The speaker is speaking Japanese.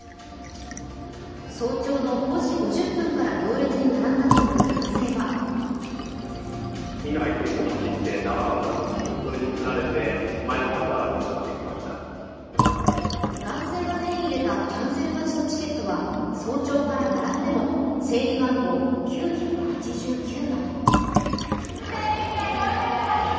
早朝の５時５０分から行列に並んだという男性は男性が手に入れたキャンセル待ちのチケットは早朝から並んでも整理番号９８９番。